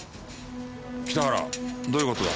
北原どういう事だ？